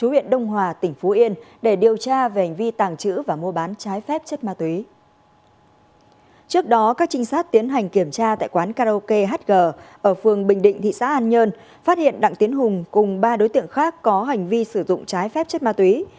bình định thị xã an nhơn phát hiện đặng tiến hùng cùng ba đối tượng khác có hành vi sử dụng trái phép chất ma túy